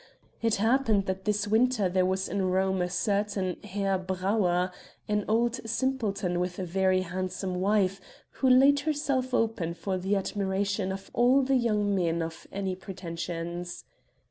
It happened that this winter there was in Rome a certain Herr Brauer, an old simpleton with a very handsome wife who laid herself open for the admiration of all the young men of any pretensions.